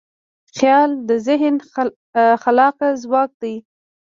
خیال د ذهن خلاقه ځواک دی.